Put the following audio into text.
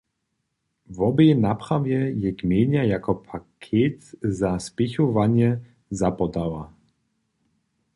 Wobě naprawje je gmejna jako paket za spěchowanje zapodała.